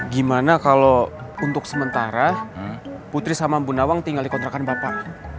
gimana kalau untuk sementara putri sama bu nawang tinggal di kontrakan bapak